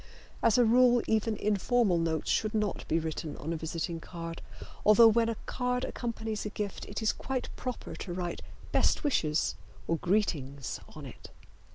As a rule even informal notes should not be written on a visiting card, although when a card accompanies a gift it is quite proper to write "Best wishes" or "Greetings" on it.